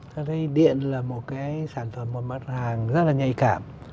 tôi thấy điện là một sản phẩm một mặt hàng rất là nhạy cảm